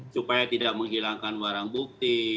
supaya tidak menghilangkan barang bukti